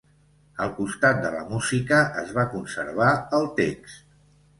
Al costat de la música es va conservar el text.